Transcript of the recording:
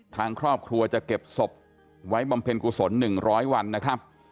ทางครอบครัวจะเก็บศพไว้บำเพ็ญกุศล๑๐๐วันนะครับ